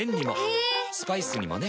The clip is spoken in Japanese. ヘェー⁉スパイスにもね。